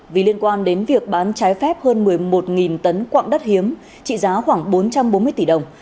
vì liên quan đến việc bán trái phép hơn một mươi một tấn quạng đất hiếm trị giá khoảng bốn trăm bốn mươi tỷ đồng